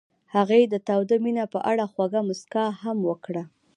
هغې د تاوده مینه په اړه خوږه موسکا هم وکړه.